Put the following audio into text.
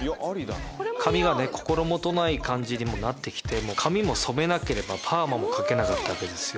髪がね心もとない感じにもうなって来て髪も染めなければパーマもかけなかったわけですよ。